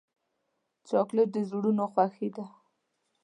چاکلېټ د زړونو خوښي ده.